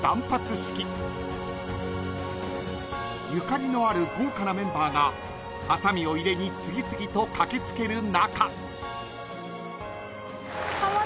［ゆかりのある豪華なメンバーがはさみを入れに次々と駆け付ける中］